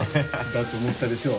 だと思ったでしょ？